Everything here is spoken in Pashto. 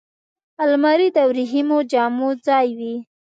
الماري د وریښمو جامو ځای وي